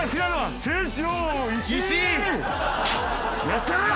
やったな！